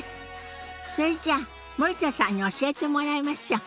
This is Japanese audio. それじゃあ森田さんに教えてもらいましょ。